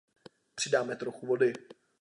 Přidáme trochu vody.